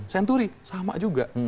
senturi sama juga